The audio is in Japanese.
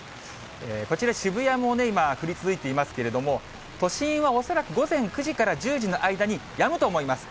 こちら、渋谷も今、降り続いていますけれども、都心は恐らく午前９時から１０時の間にやむと思います。